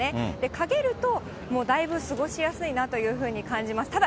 かげると、もうだいぶ過ごしやすいなというふうに感じます。